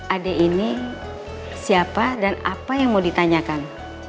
ade ini siapa dan apa yang mau ditanyakan